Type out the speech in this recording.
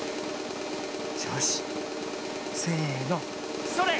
よしせのそれ！